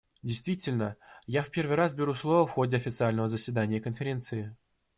Действительно, я в первый раз беру слово в ходе официального заседания Конференции.